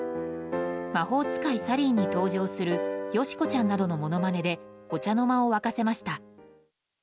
「魔法使いサリー」に登場するよし子ちゃんなどのものまねでお茶の間を沸かせました。